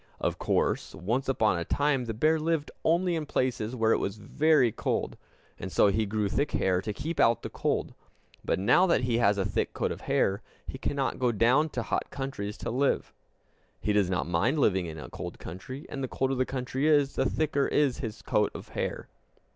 Of course, once upon a time the bear lived only in places where it was very cold, and so he grew thick hair to keep out the cold; but now that he has a thick coat of hair, he cannot go down to hot countries to live. He does not mind living in a cold country; and the colder the country is, the thicker is his coat of hair.